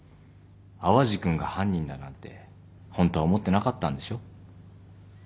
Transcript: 淡路君が犯人だなんてホントは思ってなかったんでしょ。